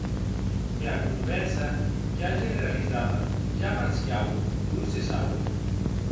Era convèrsa, ja generalizada, ja parciau, non cessaue.